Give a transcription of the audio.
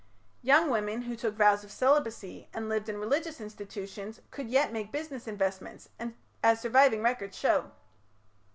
Young women who took vows of celibacy and lived in religious institutions could yet make business investments, as surviving records show.